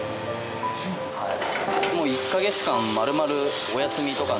はい。